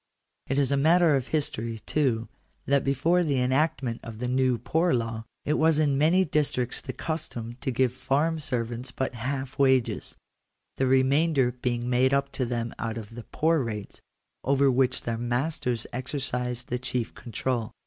It is matter of history, too, that before the enactment of the New Poor Law, it was in many districts the custom to give farm servants but half wages ; the remainder being made up to them out of the poor rates, over which their masters exercised the chief control.